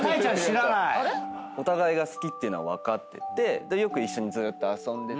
知らない⁉お互いが好きなのは分かっててよく一緒にずーっと遊んでて。